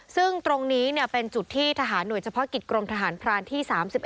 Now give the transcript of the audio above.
ซึ่งตรงนี้เป็นจุดที่ทหารหน่วยเฉพาะกิจกรมทหารพรานที่๓๑